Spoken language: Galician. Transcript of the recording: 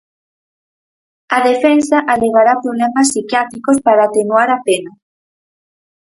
A defensa alegará problemas psiquiátricos para atenuar a pena.